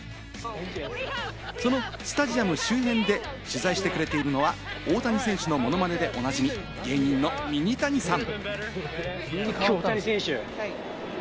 そのスタジアム周辺で取材してくれているのは大谷選手のものまねでおなじみ、芸人のミニタニさん。